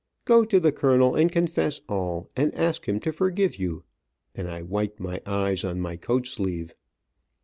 Go to the colonel and confess all, and ask him to forgive you," and I wiped my eyes on my coat sleeve.